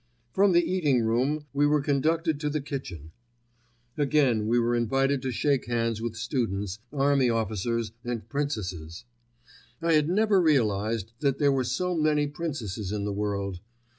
From the eating room we were conducted to the kitchen. Again we were invited to shake hands with students, army officers and princesses. I had never realized that there were so many princesses in the world.